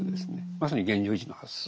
まさに現状維持の発想。